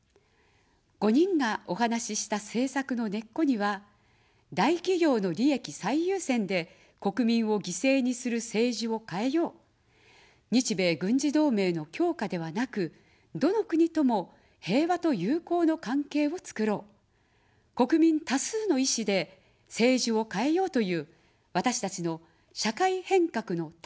５人がお話した政策の根っこには、大企業の利益最優先で国民を犠牲にする政治を変えよう、日米軍事同盟の強化ではなく、どの国とも、平和と友好の関係をつくろう、国民多数の意思で政治を変えようという、私たちの社会変革の立場があります。